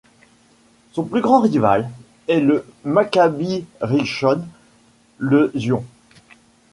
Son plus grand rival est le Maccabi Rishon LeZion.